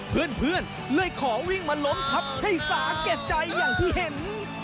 เพื่อนเลยขอวิ่งมาล้มทับให้สาแก่ใจอย่างที่เห็น